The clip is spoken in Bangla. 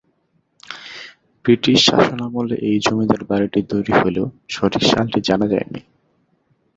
ব্রিটিশ শাসনামলে এই জমিদার বাড়িটি তৈরি হলেও সঠিক সালটি জানা যায়নি।